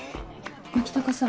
牧高さん